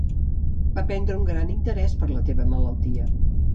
Va prendre un gran interès per la teva malaltia.